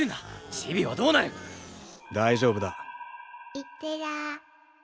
いってらー。